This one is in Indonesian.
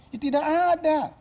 ya tidak ada